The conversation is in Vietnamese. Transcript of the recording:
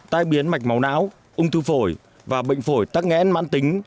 tai biến mạch máu não ung thư phổi và bệnh phổi tắc nghẽn mãn tính